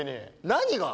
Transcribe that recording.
何が？